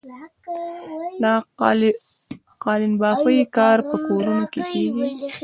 د قالینبافۍ کار په کورونو کې کیږي؟